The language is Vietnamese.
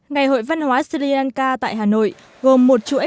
ngày hội văn hóa sri lanka tại hà nội gồm một chuỗi các tổ chức công đoàn lao động việt nam